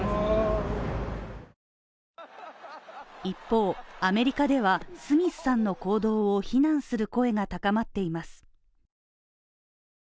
一方、アメリカではスミスさんの行動を非難する声が高まっています。